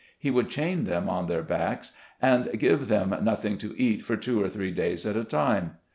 He would chain them on their backs, and give them nothing to eat for two or three days at a time.